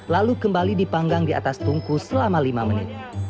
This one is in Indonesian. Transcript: lalu kembali dipanggang di atas tungku selama lima menit